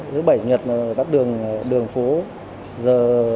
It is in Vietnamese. dưới bảy nguyệt các đường phố